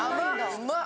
うまっ！